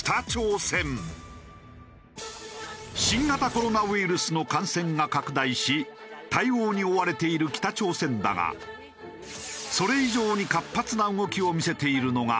新型コロナウイルスの感染が拡大し対応に追われている北朝鮮だがそれ以上に活発な動きを見せているのが。